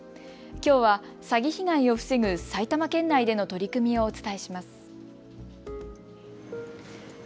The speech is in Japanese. きょうは詐欺被害を防ぐ埼玉県内での取り組みをお伝えします。